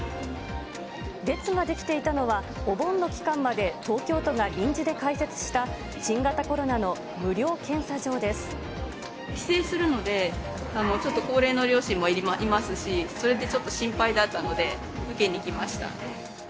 列が出来ていたのは、お盆の期間まで東京都が臨時で開設した新型コロナの無料検査場で帰省するので、ちょっと高齢の両親もいますし、それでちょっと心配だったので、受けに来ました。